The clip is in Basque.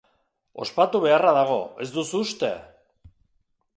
Ospatu beharra dago, ez duzu uste?